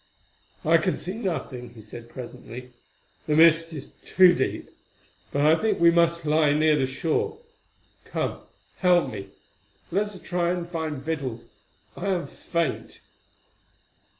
"I can see nothing," he said presently—"the mist is too deep; but I think we must lie near the shore. Come, help me. Let us try to find victuals; I am faint."